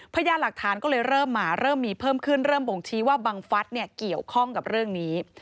พยานหลักฐานก็เลยเริ่มมาเริ่มมีเพิ่มขึ้นเริ่มบ่งชี้ว่าบังฟัสเนี่ยเกี่ยวข้องกับเรื่องนี้